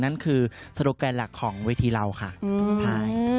นั่นคือโซโลแกนหลักของเวทีเราค่ะใช่